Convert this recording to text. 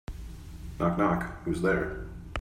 Knock knock! Who's there?